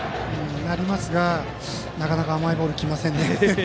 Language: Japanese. なりますが、なかなか甘いボールは来ませんね。